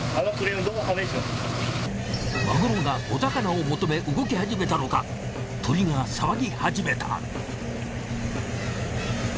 マグロが小魚を求め動きはじめたのか鳥が騒ぎはじめた。